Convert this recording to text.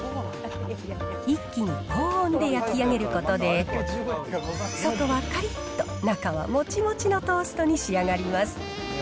一気に高温で焼き上げることで、外はかりっと、中はもちもちのトーストに仕上がります。